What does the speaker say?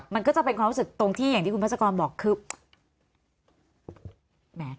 มันก็จะเป็นความรู้สึกตรงที่อย่างที่คุณพัชกรบอกคือแหม